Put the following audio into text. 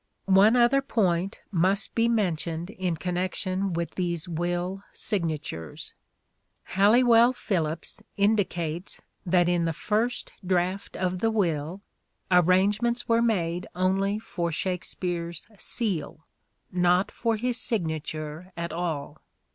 One other point must be mentioned in connection Missing with these will signatures. Halliwell Phillipps indicates S1gnatures that in the first draft of the will, arrangements were made only for Shakspere's " seal ": not for his signature at all.